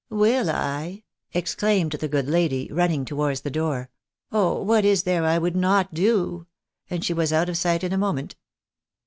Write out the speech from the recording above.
" V/iU I?" exclaimed the good lady, running towards the door, " oh ! what is there I would not do? " And she was out of sight in a moment.